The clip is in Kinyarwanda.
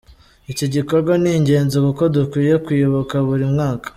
Iki gikorwa ni ingenzi kuko dukwiye kwibuka buri mwaka.